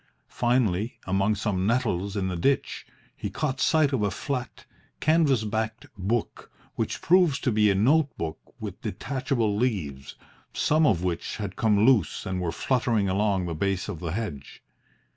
Finally, among some nettles in the ditch, he caught sight of a flat, canvas backed book, which proved to be a note book with detachable leaves, some of which had come loose and were fluttering along the base of the hedge.